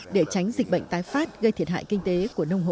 để tránh dịch bệnh tái phát gây thiệt hại kinh tế của nông hộ